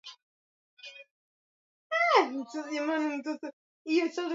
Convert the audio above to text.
wa hali sio tu huko Fergana bali pia